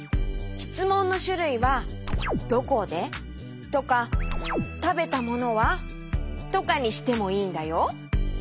しつもんのしゅるいは「どこで？」とか「たべたものは？」とかにしてもいいんだよ。